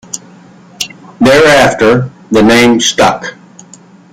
Thereafter, the name stuck.